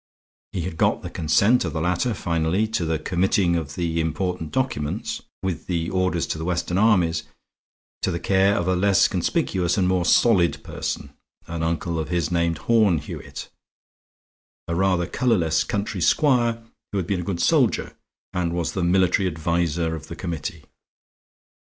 He had got the consent of the latter finally to the committing of the important documents, with the orders to the Western armies, to the care of a less conspicuous and more solid person an uncle of his named Horne Hewitt, a rather colorless country squire who had been a good soldier, and was the military adviser of the committee.